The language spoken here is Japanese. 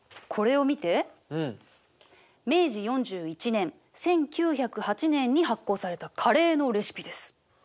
明治４１年１９０８年に発行されたカレーのレシピです。